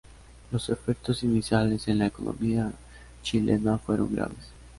Los efectos iniciales en la economía chilena fueron graves.